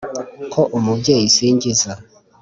ko umubyeyi nsingiza